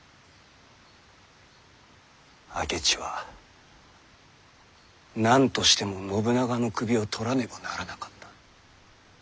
明智は何としても信長の首を取らねばならなかった。